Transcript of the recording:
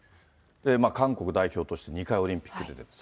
韓国代表として、２回オリンピックに出てる。